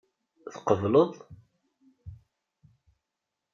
Tqebled?